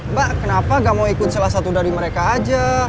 mbak kenapa gak mau ikut salah satu dari mereka aja